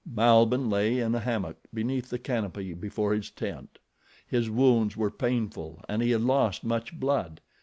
Malbihn lay in a hammock beneath canopy before his tent. His wounds were painful and he had lost much blood.